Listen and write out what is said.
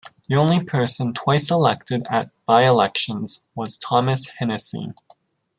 The only person twice elected at by-elections was Thomas Hennessy.